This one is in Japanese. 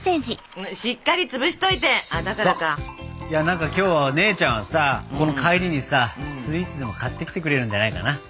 何か今日は姉ちゃんがさこの帰りにさスイーツでも買ってきてくれるんじゃないかな。